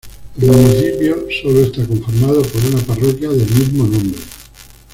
El municipio sólo está conformado por una parroquia del mismo nombre.